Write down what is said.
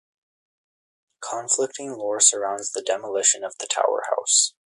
Conflicting lore surrounds the demolition of the tower house.